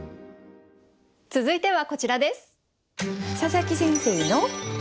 続いてはこちらです。